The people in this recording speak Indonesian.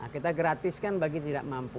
kita gratis kan bagi yang tidak mampu